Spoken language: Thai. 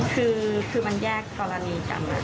คือคือมันแยกกรณีกรรมน่ะ